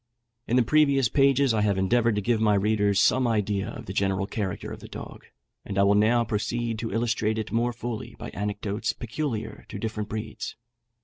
In the previous pages I have endeavoured to give my readers some idea of the general character of the dog, and I will now proceed to illustrate it more fully by anecdotes peculiar to different breeds.